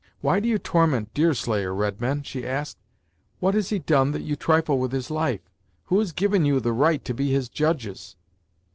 "Why do you torment Deerslayer, redmen?" she asked "What has he done that you trifle with his life; who has given you the right to be his judges?